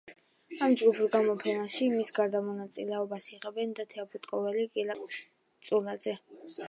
ამ ჯგუფურ გამოფენაში, მის გარდა მონაწილეობას იღებდნენ თეა ბოტკოველი, გელა კესიდი და გიორგი წულაძე.